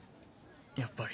やっぱり。